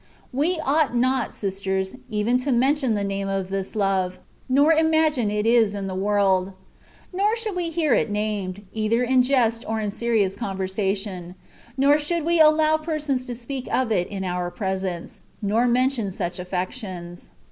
We ought not, sisters, even to mention the name of this love, nor imagine it is in the world ; nor should we hear it named, either in jest or in serious conversation ; nor should we allow persons to speak of it in our presence, nor mention such affections.